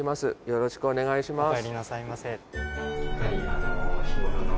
よろしくお願いします